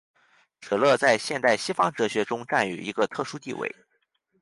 舍勒在现代西方哲学中占有一个特殊地位。